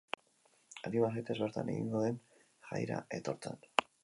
Anima zaitez bertan egingo den jaira etortzen!